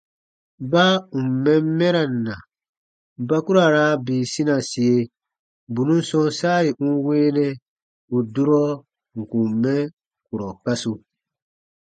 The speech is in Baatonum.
Baa ǹ n mɛn mɛran na, ba ku ra raa bii sinasie bù nùn sɔ̃ɔ saa yè n weenɛ ù durɔ n kùn mɛ kurɔ kasu.